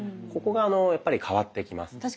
ここがやっぱり変わってきます。